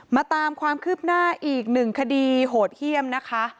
มาตามความคืบหน้าอีกหนึ่งคดีโหดเยี่ยมนะคะ